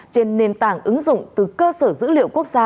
trên nền tảng ứng dụng từ cơ sở dữ liệu quốc gia